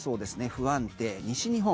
不安定、西日本。